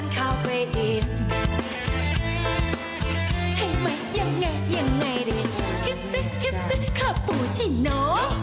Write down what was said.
คิดสิคิดสิคาปูชิโน